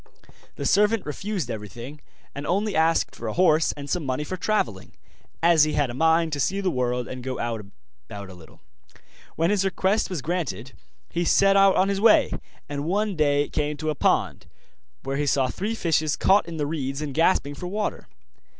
The servant refused everything, and only asked for a horse and some money for travelling, as he had a mind to see the world and go about a little. When his request was granted he set out on his way, and one day came to a pond, where he saw three fishes caught in the reeds and gasping for water.